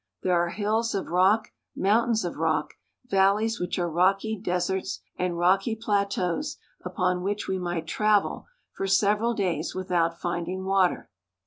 There are hills of rock, mountains of rock, valleys which are rocky deserts, and rocky plateaus upon which we might travel for several days without finding water.